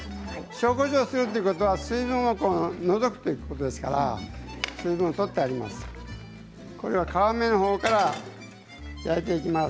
塩、こしょうをするということは水分を取るということですから取ってあります。